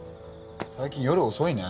最近夜遅いね。